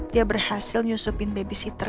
dia berhasil nyusupin babysitter